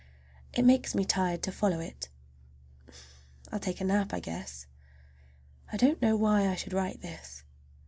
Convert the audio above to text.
It makes me tired to follow it. I will take a nap, I guess. I don't know why I should write this.